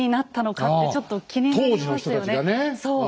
そう。